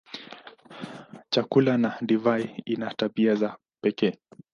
Chakula na divai ina tabia za pekee.